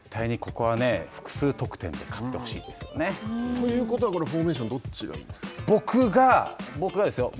なので、絶対にここは複数得点で勝ってほしいですよね。ということはフォーメーションはどっちがいいですか。